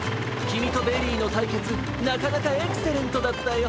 きみとベリーのたいけつなかなかエクセレントだったよ！